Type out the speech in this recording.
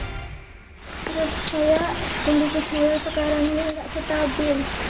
terus saya kondisi saya sekarang ini agak stabil